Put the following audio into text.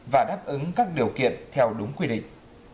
và đáp ứng các điều kiện theo đúng quy định